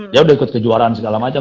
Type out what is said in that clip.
dia udah ikut kejuaraan segala macam